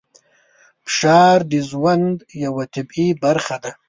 فشار د ژوند یوه طبیعي برخه ده.